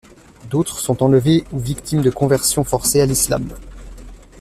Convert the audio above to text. D'autres sont enlevés ou victimes de conversion forcées à l'islam.